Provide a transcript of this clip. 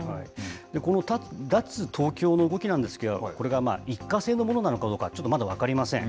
この脱東京の動きなんですけれども、これがまあ、一過性のものなのかどうか、ちょっとまだ分かりません。